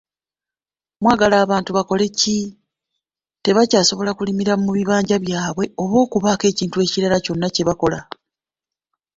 Mwagala abantu bakoleki, tebakyasobola kulimira mu bibanja byabwe oba okubaako ekintu ekirala kyonna kye bakola.